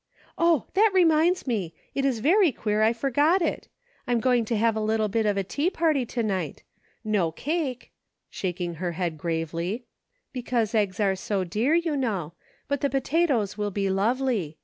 Oh ! that reminds me ; it is very queer I for got it ; I'm going to have a little bit of a tea party to night. No cake," shaking her head gravely, " because eggs are so dear, you know, but the po tatoes will be lovely.